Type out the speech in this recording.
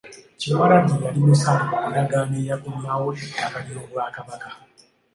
Kyewalabye yali musaale mu ndagaano eyakomyawo ettaka ly’Obwakabaka.